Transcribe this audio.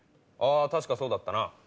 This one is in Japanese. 確かそうだったな。